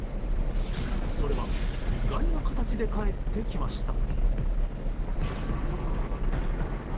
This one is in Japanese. それは意外な形で返ってきました。